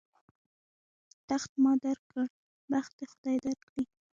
تخت ما در کړ، بخت دې خدای در کړي.